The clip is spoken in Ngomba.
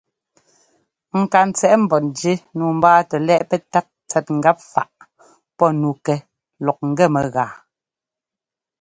Ŋkantsɛꞌ mbɔ́njí nǔu mbáatɛ lɛ́ꞌ pɛ́tát tsɛt ŋgap faꞌ pɔ́ nu kɛ lɔk ŋ́gɛ mɛgáa.